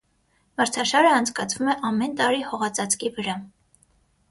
Մրցաշարը անցկացվում է ամեն տարի հողածածկի վրա։